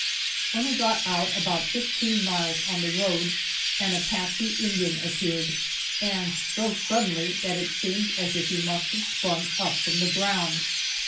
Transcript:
When we got out about fifteen miles on the road, an Apache Indian appeared, and so suddenly that it seemed as if he must have sprung up from the ground.